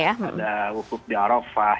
ya sudah cukup di arafah